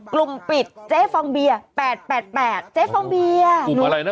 กลุ่มปิดเจฟองเบียแปดแปดแปดเจฟองเบียกลุ่มอะไรนะ